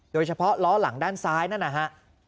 โดยเฉพาะล้อหลังด้านซ้ายนั่นนะฮะ